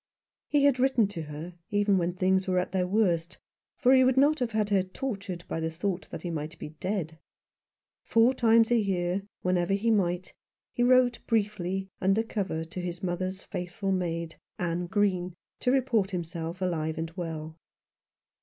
He had written to her even when things were at their worst ; for he would not have her tortured by the thought that he might be dead. Four times a year — wherever he might be — he wrote briefly, under cover to his mother's faithful maid, Anne Green, to report him self alive and well.